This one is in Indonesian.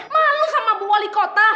malu sama bu wali kota